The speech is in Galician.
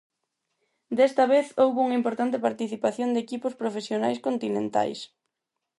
Desta vez houbo unha importante participación de equipos Profesionais Continentais.